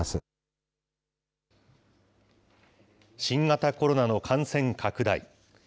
新型コロナの感染拡大。